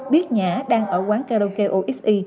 biết nhã đang ở quán karaoke oxy